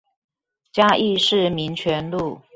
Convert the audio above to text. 嘉義市民權路